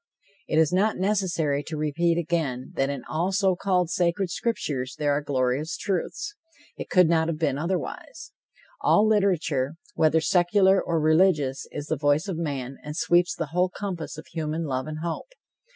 It is not necessary to repeat again that in all so called sacred scriptures, there are glorious truths. It could not have been otherwise. All literature, whether secular or religious, is the voice of man and sweeps the whole compass of human love and hope.